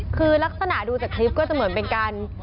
คือลักษณะดูจากคลิปก็จะเหมือนเป็นการ